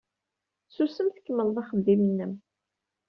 Susem, tkemmled axeddim-nnem.